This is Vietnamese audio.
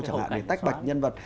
chẳng hạn để tách bạch nhân vật